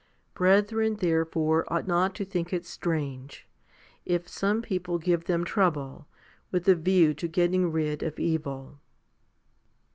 Brethren therefore ought not to think it strange, if some people give them trouble, with a view to getting rid of evil.